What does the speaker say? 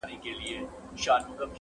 هلک دي لوی کړ د لونګو بوی یې ځینه-